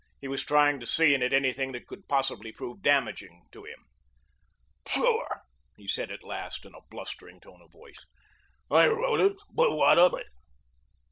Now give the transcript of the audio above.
He was trying to see in it anything which could possibly prove damaging to him. "Sure," he said at last in a blustering tone of voice. "I wrote it. But what of it?"